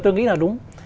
tôi nghĩ là đúng